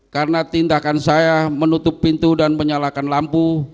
karena tindakan saya menutup pintu dan menyalakan lampu